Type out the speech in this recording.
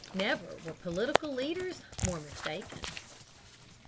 Never were political leaders more mistaken.